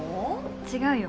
違うよ